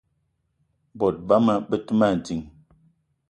Bot bama be te ma ding.